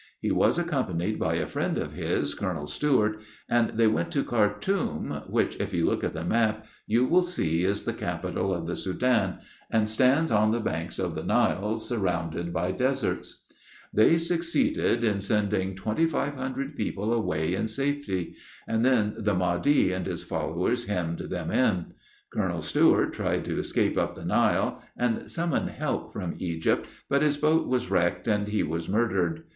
He was accompanied by a friend of his, Colonel Stewart, and they went to Khartoum, which, if you look at the map, you will see is the Capital of the Soudan, and stands on the banks of the Nile, surrounded by deserts. They succeeded in sending 2,500 people away in safety; then the Mahdi and his followers hemmed them in. Colonel Stewart tried to escape up the Nile, and summon help from Egypt, but his boat was wrecked, and he was murdered.